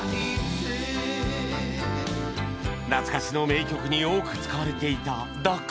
懐かしの名曲に多く使われていた「抱く」